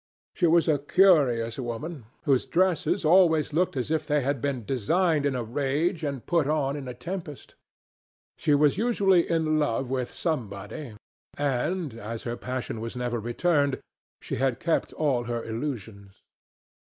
She was a curious woman, whose dresses always looked as if they had been designed in a rage and put on in a tempest. She was usually in love with somebody, and, as her passion was never returned, she had kept all her illusions.